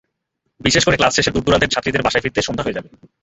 বিশেষ করে ক্লাস শেষে দূরদূরান্তের ছাত্রীদের বাসায় ফিরতে সন্ধ্যা হয়ে যাবে।